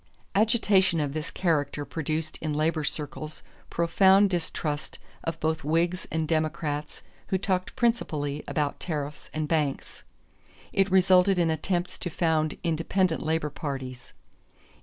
Agitation of this character produced in labor circles profound distrust of both Whigs and Democrats who talked principally about tariffs and banks; it resulted in attempts to found independent labor parties.